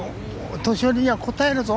お年寄りにはこたえるぞ。